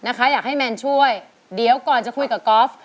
อยากให้แมนช่วยเดี๋ยวก่อนจะคุยกับกอล์ฟ